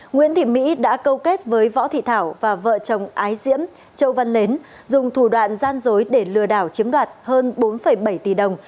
nguyễn thị mỹ đã câu kết với võ thị thảo và vợ chồng ái diễm châu văn nến dùng thủ đoạn gian dối để lừa đảo chiếm đoạt hơn bốn bảy tỷ đồng